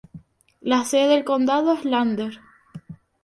La sede del condado es Lander.